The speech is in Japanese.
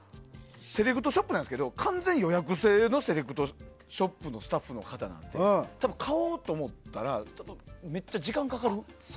完全予約制のセレクトショップのスタッフの方なんで多分、買おうと思ったらめっちゃ時間かかる。